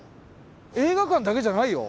映画館だけじゃないよ。